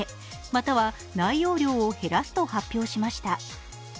または内容量を減らすと発表しました。